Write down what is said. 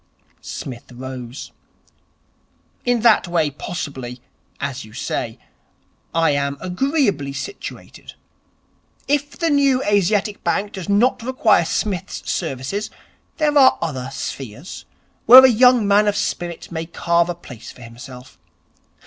Psmith rose. 'In that way possibly, as you say, I am agreeably situated. If the New Asiatic Bank does not require Psmith's services, there are other spheres where a young man of spirit may carve a place for himself.